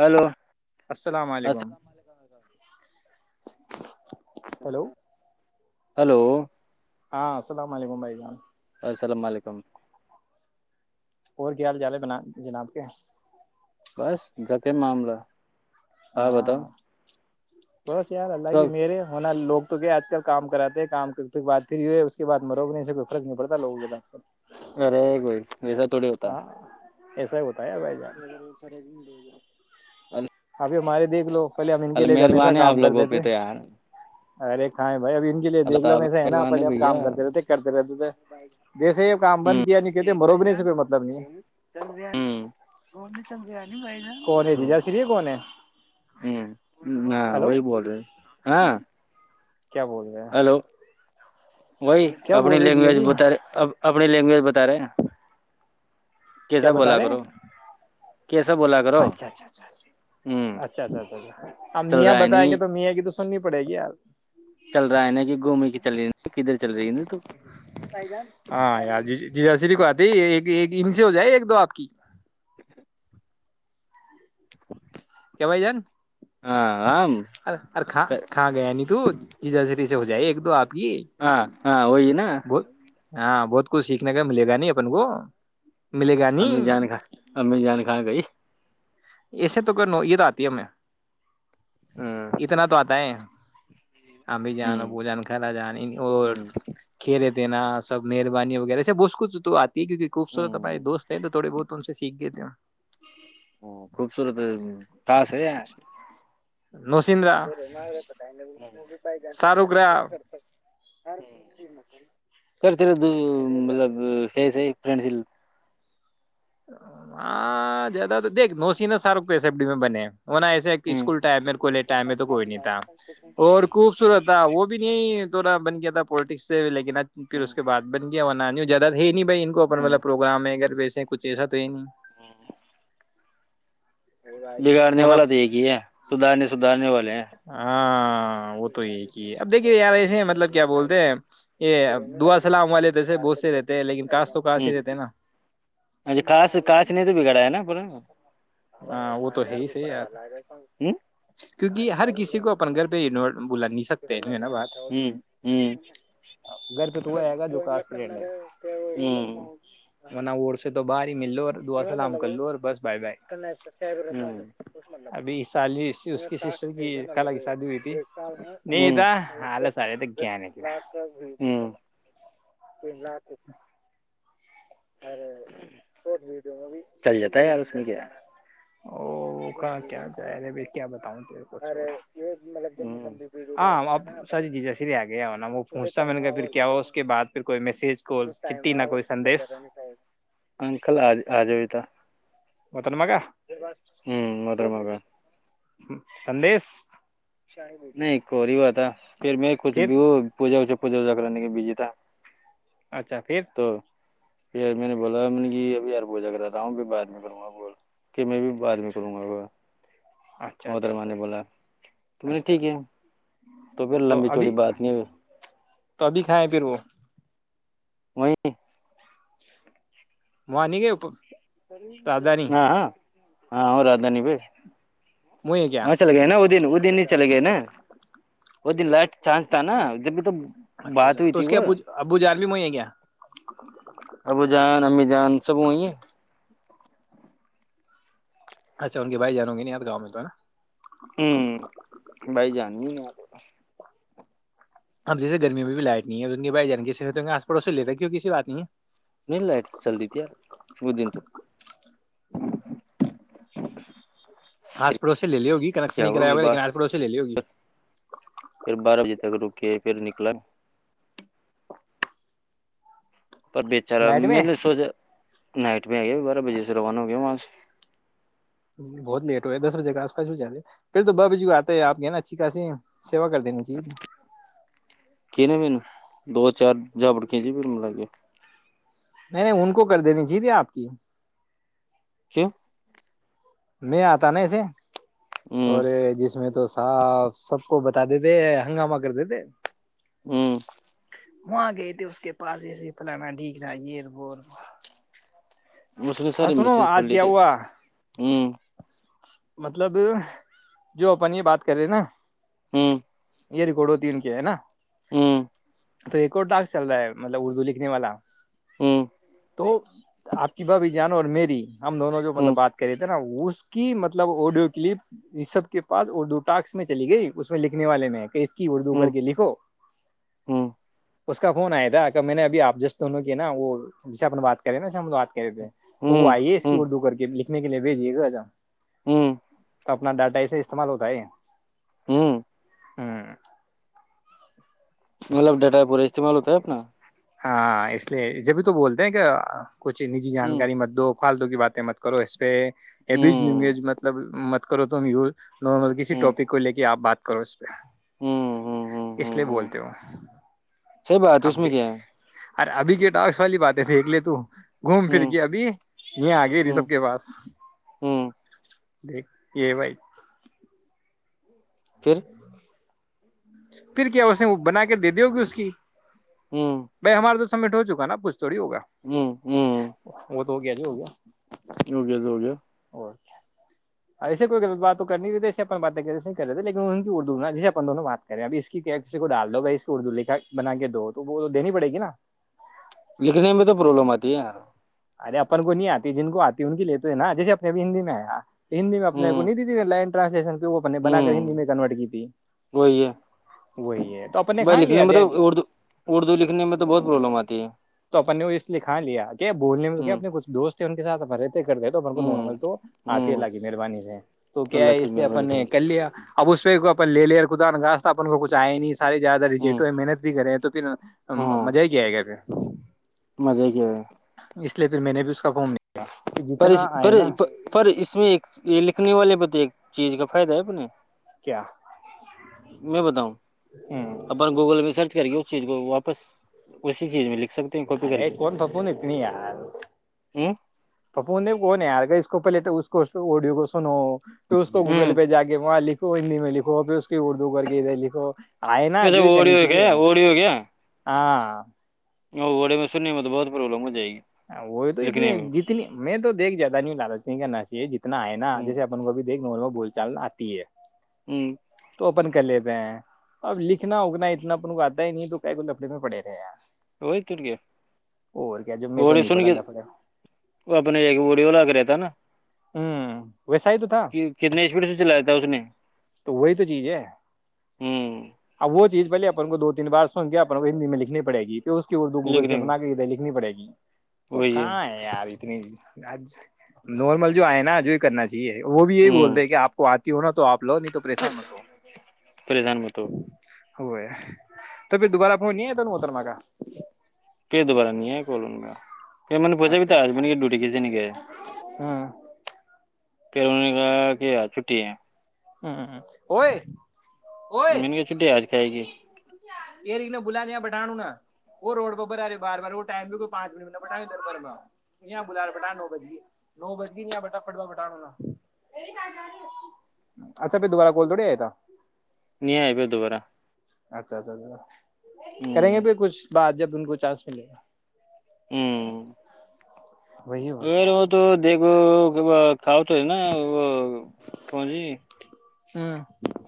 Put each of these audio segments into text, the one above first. Hello السلام علیکم السلام علیکم ہیلو ہلو ہاں السلام علیکم بھائی جان السلام علیکم اور کیا حال چال ہے بنا جناب کے بس گک معاملہ ہاں بتاؤ بس یار گال ہے تو کہ میرے ہونا لگ تو کیا آج کل کام کراتے ہیں کام کے بع پھر یہ ہے اس کے بع مرو نہیں سے کوئی فرق نہیں پڑتاوگوں کے پاس ارے کوئی ویسا تھوڑی ہوتا ہے ایسا ہی ہوتا ہے بھائی جان ابھی ہمارے دیکھ لو پہلے ہم ان کے اللہ لیے تھ ہمیشا مہربان ہے آپ کام لوگوں کرتے پہ تھے تو یار ارے کائیں بھائی اب ان کے لیے اللہ دیکھ لو تعالی میں ایسے ہے نا مہربان پہل ہم بھیا کام کرتے رہتے کرتے رہتے تھے جیسے ہی کام بند کیا نہیں کہتے مروبنی سے کوئی مطلب نہیں سنگ کون ہے جی جا سری کون ہے ہ ہ ہلو وہی بول ہاں کیا بول رہے ہیں کیا السلام بول رہے علیکم جی محترم بھائی وہی اپنی لینگویج جی بت رہے اب اپنی لینگویج بتا رہے ہیں کیا کیسا بتا بولا رہے کرو کیسا بولا کرو اچھا اچھا اچھ ہوں اچھا اچھا اچھ ا اب چل میاں رہا ہے بتائیں نہیں گے تو میاں کی سننی پڑے گی یار چل رہا ہے نا کہ گھومنے کی چل رہی کدھر چل رہی ہے نا تو جان کنے رہے نہیں ہو جائے ایک دو آپ کی ک بائی جان ہاں ہم ار ا کا کھا گیا نہیں تو جی جاز سے ہو جائے ایک دو آپ کی ہاں ہاں وہئی ن بہت ہاں بہت کچھ سیکھنے کا ملے گا ن اپن کو ملے گا امی جان نہیں خ امی جان خااں گئی ایسے تو نوعیت آتی ہے ہمیں ہاں اتنا تو آتا ہے ابھی جانا ہ بو جان خرا جان نہیں اور ہ کھی رہے دین سب مہربانی وغیرہ سب اس کچھ تو آ کیونکہ خبصورت ہماری ہ دوست ہیں تو تھڑی بہت تم سے سیکھ گئے تھے ا خوبصورت خس ہے نوسندرا س رہو میںا ب جان کرتا کرتیر دو مطلب فس فس ہاں زیادہ تو دیکھ نو س ن سارو تو ہے سبی میں بنے وہنا ایسے کہ اسکول ٹائم میں کالج ٹائم میں تو کوئی نہیں تھا اور خوبصورت تھا وہ بھی نہیں تھڑا بن گیا تھا پالٹکس سے لیکن آ پھر اس کے بعد بن گیانا زیادہ یہ نہیں ان کو اپن والا پروگرام اگر وس جی سب د نہیں بگاڑنے ورنہ والا تو ایک ہی ہے سدارنے سدھارنے والے ہیں ہاں ہوں ج مطلب کیا بولتے ہیں یہ کر دعا سلام والے جیسے بہت سے د رہتے ہیں لیکن کاش تو کاش ہی رہتے ہیں نا ج کاش کاش نے تو بگڑایا نا پر ہاں وہ تو ہے ہی صحی یار ہ کیونکہ ہر کسی کو اپن گھر پہ انٹ ط گھر پہ تو وہ آئے گا جو کوئی کلاس لکھن فرینڈ ہے ورنہ ووڑ سے تو باہر ہی مل دعا سلام کر لو اور بس بائے بائے مطلب ابھی اس سال اس کی سسٹر کی خالہ کی مطل شادی ہوئی تھی ایک سال نہیں تھا حالت آ رہے تھے مس گیا نہیں گرا پلہ پ ارے چل جاتا ہے یار اس میں کیا او کیا ج رہے ب کیا بتاؤں تیرے کو چھوڑا ہاں اب سر جی جیس لیے آ گیا ہوناا وہ پونچتا م نے گ پھر کیا ہو اس کے بع پھر کوئی میسج کوال چٹٹی نہ کوئی سندیش اکل آجتا محترمہ کا ہ مت گا ہ سندیش نہیں کوریی ب تھا پھر میں کچ پھر پجا پجا چکر بجی تھا اچھا پھر پیار میں نے بولا م میں نے کہ ابھی ار بوجا کرا رہا ہوں بع میں کروں گا بول کہ میں بھی بعد میں کروں گا گا اچھا اچھا محترمہ اچھا نے بولا تو اچا میں نے اچھا ٹھیک ہے پھر تو لمبی ابھی چوڑی بات نہیں تو ابھی کھائےیں پھر وہ [inaudible] وہئی وہانی گئے اوپ [inaudible] ہاں ہاں ہاں اورورد نہیں بھی وہی ہے کیا وہاں چلے گئے نا وہ دن وہ دن ہی چلے گئے نا وہ دن لائ چانس تھا نا اھر بھی تو اچھا بات اچھا ہوئی تو تھی اس کے وہ ابو ابو جان بھی وہی ہے کیا ابو جان امی جان سب وہئ ہے اچھا ان کے بھائی جانووں گے ن یاد گاؤں میں تو ہے نا ہ بائی جانی ن آپ اب جیس گرمی میں بھی لائٹ ہے انن بھائی جانےی سے ہو تو آس پڑوسی لے رہ ہے کیوں کسی بات نہیں ہے نل آت چلدتیا مودنٹو جک [inaudible] آس پھر پڑوسی سے لے لی ہوگی کنیکشن کیا نہیں ہو کرا گئی ہوگا لیکن بات آس پڑوسی لے لی ہوگی پھر بارہ بجے تک رکے پھر نکلا پر بےچارا نائٹ میر میں نے سوچا نائٹ میں آئی بارہ بجے سے روانہ ہو گیا وہاں سے بہت لیٹ ہوئے ہے دس بجے کے آس پس بھی جا رہے پھر تو بجے کو آتے ہیں آ گئے نا اچھی خاسی کی ن مین دو چار [inaudible] ج بڑکیا جی پھر م لگ گے نہیں نہیں ان کو کر دینی جیت ہے آپ کی کی میں آتا نا ایسے ہ اور یہ جس میں تو پ سب کو بتا دیتے ہنگامہ کر دیتے ہوں وہاں گئے تھے اس کے پاس ایسے پلانا ڈیک رہا یہ ب مس سر مسز پل ت ہوں مطلب جو اپن یہ بات کر رہے ہیں نا ہوں یہ ریکڑ ہوتی کہ ہےا ہاں تو ایک اور داغ چل رہا ہے مطلب اردو لکھنے والا ہوں وہ آپ کی بھ بھی جانو اور میری ہم دونوں جو ہ مطلب بات کر رہے تھے نا وہ [inaudible] کہ مطلب آڈیو کلپ یہ سب کے پس اردو ٹاس میں چلی گئی اس میں لکھنے والے میں ہے کہ کی اردو ہ کر کے لکھو ہوں اس کا فون آیا تھا کہ میں نےبھی آپ جسٹ دونوں کیے نا وہ جسے اپنے بات کریں ناات تو وہ ہوں آئیے اس کی ہوں اردو کر کے ل [inaudible] ہوں تو اپنا ڈاٹا اسے استعمال ہوتا ہے ہوں ہوں مطلب ڈیٹا پورا استعمال ہوتا ہے آ اپ ن ہاں اس لیے جبھی تو بولتے ہیں کہ کچھ نیجی ہوں جانکاری م دو فالتو کی باتیں مت کرو پی اب اس ہوں مطلب مت کرو تو ہم ی نارمل کسی ہوں ٹاپک کو لے کے آپ بات ہوں ہوں [inaudible] ہوں اس ہوں لیے ہوں بولتے ہو صحیح بات ہے اس اب میں دیکھ کیا ہے ارے ابھی کے ااکس والی باتیں تھھی الے تو گھوم پھر ہوں کے ابھی یہ آ گئی ری ہوں سب کے پاس ہوں دیک یہ بھائی پھر پھر کیا اسے وہ بنا کے دے دی ہوگی اس کی ہوں بائی ہمارے تو سٹ ہوکا پچھ تھوڑی ہوگا ہوں وہ دو ہو گیا جی ہو گیا ہوگےد ہوگیا اور ایسے کوئی بات تو کرنیے اپن باتیں کر کر رہتےے لیکن ان کی اردو نا جیے اپن دونوں میںات کہے ابھی اس کی کسی کو ڈال دو بھائی اس اردو لکھا بنا کے دو تو وہ تو دینی پڑے گی نا لکھنے میں تو پرابلم آتی ہے یار۔ ارے اپن کو نہیں آتی جن کو آتی ان کی لیتے ہے نا جیسے اپنے بھی ہندی میں آ ہندی میں اپنے آ کو ہوں نہیں تی لائن [unintelligible] بنا ہوں کر ہندی میں کنورٹ کی تھی وہی ہے وہی ہے تو اپن نے بھائی کھا لکھنے لیا میں تو دیا اردو اردو لکھنے میں تو بہت پرابلم آتی ہے تو اپنے وہ اس لیے کھا لیا کیا بولنے میں تو کیا ہوں اپنے کچھ دوست ہیں ان کے [unintelligible] کرتے تو کو نارمل ہوں تو آتی ہے ال ہوں لگی مہربانی سے تو کیا اللہ ہے کی اس لیے اپن مہربانی سے نے کر لیا اب اس پہ اپ لے لیا خدانخواستہ اب ان کو کچھ ایا ہی نہیں سارے زیادہ ہوں رجیٹو ہے محنت بھی کرے ہیں تو پھر ہاں مزہ ہی کیا آئے گا پھر مزے کیا اس لیے پھر میں نے بھی اس کا نہیں پر جتنا پر آئے نا پر اس میں ایک یہ لکھنے والے بت چیز کا فائدہ ہے اپنے کیا میں بتاؤں اپن گوگل میں سرچ کریے چیز کو واپس اسی چیز میں سکتے ہیں کاپی کر ارے کے کون پپو نے اتنی یار ہ پپو نے وہ نہیں ہار گ اس کو پہلے تو اس کو اڈیو کو سنو پھر اس کو ہ گوگل پہ جا کے وہاں لکھو ہندی میں لکھو پھر اس کو ھر اردو کے ہےے لکھو آئے نا جو ہی کرنی چاہیے [unintelligible] ہاں وڑے میں سننے میں بہت پرابلم ہو جائے گی وہ تو اتنی لکھنے میں جتنی میں تویکھ جیادہ نہیں لالچ کا نسی جتنا ہے نا ہ جیسے اپن کوب بھی دیکھ نول بول چلنا آتی ہے ہممم تو اپن کر لیتے ہیں اب لکھنا اگنا اتنا اپن کو آتا ہی نہیں تو کیا کو لفڑے میں پڑے رہے ہیں اور کیا جب میں تو [unintelligible] سن نہیں پڑھا کے لفڑے وہ اپنے ایک ووڈیو ل کر رہتا ہوں ویسا ہی تو تھا [unintelligible] کتنی اسپیڈ سے چلایا تھا اس نے وہی تو چیز ہے ہ ا وہ چیز پہے اپن کو دو تین بار سن گے اپن کو ہندی میں لکھنی پڑ گی اس کی اردو گوکہی سے لکھنے میں بنا کے ادے لکھنی پڑ گی تو کاں ہے آاری اتنی آج نارمل جو آئے نا جو کرنا چاہیے جی وہ بھی یہی ہ بول رہے کہ آپ کو آ ہوا تو آ لو نہیں تو پریشان تو پریشان مت ہو ہو ہے تو پھر دوبارہ پ نہیں آ تھا محترما کا پہ دو بال نہیں کوں گا ک م بس بھی ت اچھا آجب اچھا ن دری گ سے نکے ہاں پھر اننے کا کیا چھٹی ہے ہ وہ م نے گیا چھٹی آج کھائے گی یہ ری بلااں بٹھان نا وہ روڈ بر رہے بار بار وہ ٹائم بھی کو پانچ منٹ بٹر بھر یہ بلا بٹا نو بج گی نو بج گی بٹٹ با بٹا نا اچھا پھر دوبارہ کال تھوڑی آئے تھا نہیں آ پ دوبارہ اچھا اچھا اچھا کریں گے ہوں پھر کچھ بات جب ان کچھ چانس ملے گا ہوں وہی اور اگر کیا وہ تو دیکھ کھ تو ہے نا وہ جی ہاں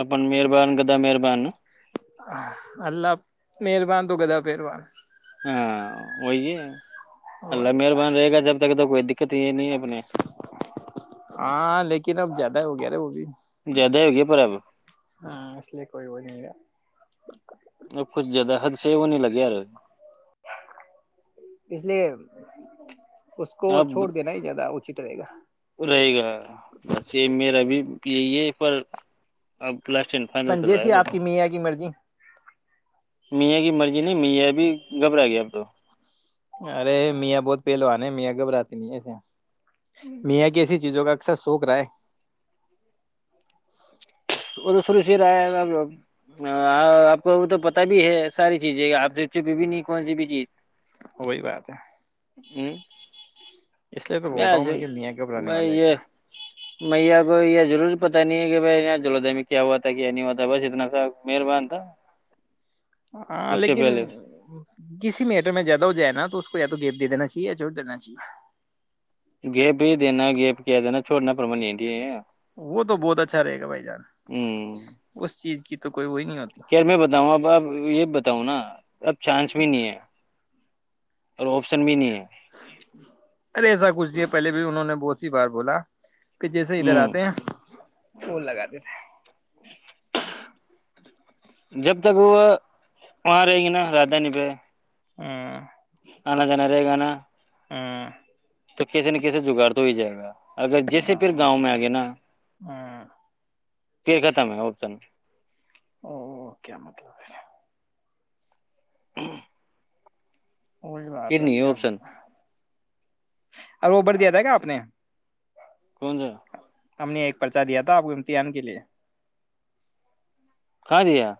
اپن مہربان گدا مہربان اللہ مہربان تو گدا پہربان ہاں وہی ج اللہ مہربان رہے گا جب جگ تو کوئی د ہاں لیکن اب زیادہ نہیں ہو گ رے وہ بھی زیادہ ہی ہوگیا پرب ہاں اس لیے کوئی وہ نہیں رہا ا کچھ زیادہ حد سے وہ نہیں لگے یار اس لیے اس کو اب چھوڑ دینا ہی زیادہ رہے گا رہے گا بس یہ میرا بھی یہی ہے پر اب لاسٹ اینڈ فائنل پن چل رہا جیسی ہے آپ کی میاں کی مرضی میاں کی مرضی نہیں میاں ابھی گھبرا گیا اب تو ارے میاں بہت پہلوان ہے میاں گھبراتی نہیں ایسے میاں کسی چیزوں کا اثر سوک رہا ہے سرایا آپ کو تو پتا بھی ہے ساری چیزیں آپ چ بھی نہیں کون سی بھی چیز وہی بات ہے ہ اس لیے تو بول رہا ہوں م کے لیا کب لاننے بھائی والے ہے یہ کیا میا کو یہ ضرور پتا نہیں ہے کہ بھائی یہاں جلدھائی میں کیا ہوا تھا کیا نہیں ہوا تھا بس اتنا سا مہربان تھا ہاں اس کے لیکن پہلے کسی میٹر میں زیادہ ہو جائے نا تو اس کو زیادہ تو گیپ دے دینا چاہیے یا چھوڑ دینا چاہیے گیپ ہی دینا گیپ کیا دینا چھڑنا پرمل وہ تو بہت اچھا رہے گا بھائی جان اس چیز کی تو کوئی وہی نہیں ہوتی یار میں بتاؤں اب اب یہ بھی بتاؤں نا اب چانس بھی نہیں ہے اور آپشن بھی نہیں ہے [inaudible] ارے ایسا کچھ ج پہلے بھی انہوں نے بہت ہیی بار بولا پھر جیسے ادھر ہ آتے ہیں پول لگات دی تھے جب تک وہ وہاں رہیں گی نا راجدھانی پہ ہ آنا ج نرے گانا تو کسسی نہ کیسے جگاڑ تو ہو ہی جائے گا اگر جیسے ہ پھر گاؤں میں آ گیا نا ہ ہ پ ختم ہے اپ س ن او کیا مطلب ہےا ہاں وہی بات ہے کیا [inaudible] ا اوبر دیا تھا کیا آپ نے کون سا ہم نے ایک پرچہ دیا تھا آپ کو امتحان کے لیے کہاں رہ ہے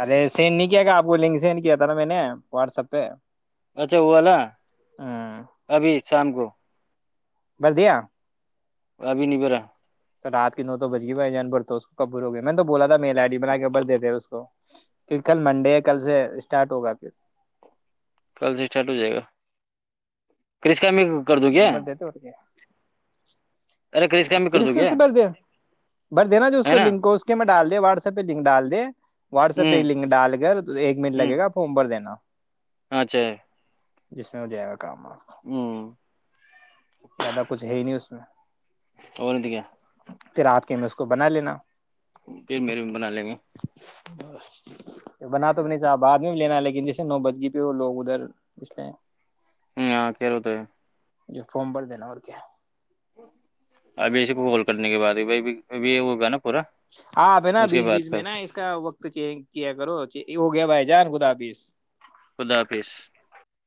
ارے سینڈ نہیں کیا گ آپ کو لنک سینڈ کیا تھا نا میں نے واٹسپ پہ اچھا ہو والالا ہ ابھی شام کو بردیا ابھی نہیں پیرا تو رات کی نو تو بج گی بائی جان بھرتا اس کو کبرو گئے میں نے تو بولا تھا میا آڈی بنا کےبر دے د اس کو کیکہ کل منڈے کل سے اسٹارٹ ہوگا پھر کل سے اسٹارٹ ہو جائے گا کر سم کر دوں کیا پھر بھر دیتے اور کیا۔ ارے کرسکا میں کر دو کیا سے بھر د بھر دینا [inaudible] جو اس ہے کو نا لک کو اس کے میں ڈال دیا واٹسپ پہ لنک ڈال دے واٹسپ پہ ہوں لنک ڈال کر ایک منٹ لگے گام بھر دینا ااںھا جس میں ہو جائے گ کام آخ زیادہ کچھ ہے ہی نہیں اس میں اورن ٹ کیا پھر آپ کے میں اس کو بنا لینا پل میرری بھی بنا لیں گے ب بنا تو بھی نہیں چاہا بعد میں بھی لینا لیکن جیسے نو بج گی پہ ہو لوگ ادھر پچلے ہ کہ رہ ہو تو ہے یہ فارم بڑ د نا اور کیا ابھی سے کو بول کرنے کے بع ب ابھی یہ ہوگا نا پورا آپ ہے نا اس کے بیچ بیچ بعد میں نا اس کا وقت چینج کیا کرو ہو گے بھائی جان گداپس خدا حافظ